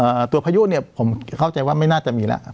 ตัวพายุเนี่ยผมเข้าใจว่าไม่น่าจะมีแล้ว